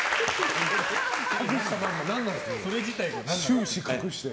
終始隠して。